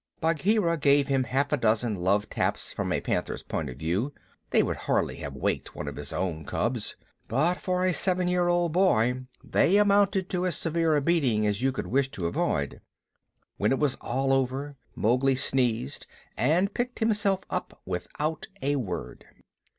Bagheera gave him half a dozen love taps from a panther's point of view (they would hardly have waked one of his own cubs), but for a seven year old boy they amounted to as severe a beating as you could wish to avoid. When it was all over Mowgli sneezed, and picked himself up without a word.